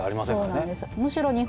そうなんです。